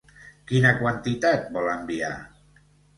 Quina quantitat vol enviar?